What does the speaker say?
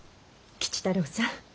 吉太郎さん